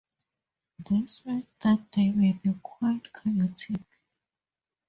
This means that they may be quite chaotic.